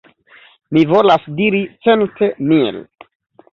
Mi volas diri cent mil.